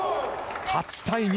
８対２。